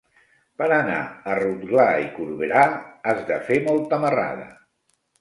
Per anar a Rotglà i Corberà has de fer molta marrada.